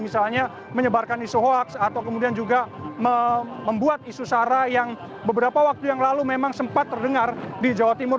misalnya menyebarkan isu hoax atau kemudian juga membuat isu sara yang beberapa waktu yang lalu memang sempat terdengar di jawa timur